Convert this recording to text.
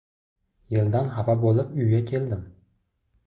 Yeldan xafa bo‘lib, uyga keldim.